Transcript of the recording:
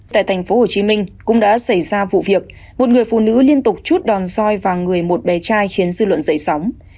tại tp hcm cũng đã xảy ra vụ việc một người phụ nữ liên tục chút đòn roi vào người một bé trai khiến dư luận dậy sóng